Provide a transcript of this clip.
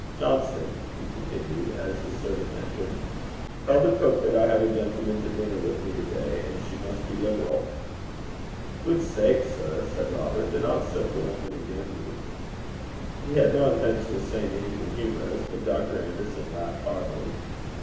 Johnston,' he continued, as his servant entered, 'tell the cook that I have a gentleman to dinner with me to day, and she must be liberal.' 'Guidsake, sir!' said Robert, 'dinna set the woman agen me.' He had no intention of saying anything humorous, but Dr. Anderson laughed heartily.